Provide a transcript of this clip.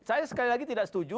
saya sekali lagi tidak setuju